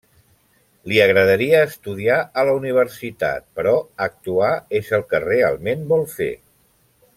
Li agradaria estudiar a la Universitat, però actuar és el que realment vol fer.